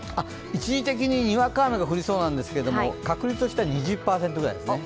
一時的ににわか雨が降りそうなんですけれども、確率としては２０％ぐらいですね。